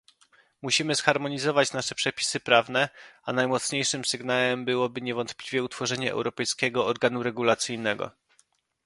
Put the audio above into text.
Musimy zharmonizować nasze przepisy prawne, a najmocniejszym sygnałem byłoby niewątpliwie utworzenie europejskiego organu regulacyjnego